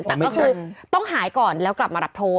แต่ก็คือต้องหายก่อนแล้วกลับมารับโทษ